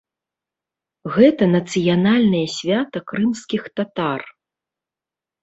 Гэта нацыянальнае свята крымскіх татар.